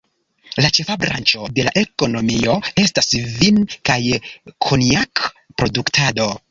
La ĉefa branĉo de la ekonomio estas vin- kaj konjak-produktado.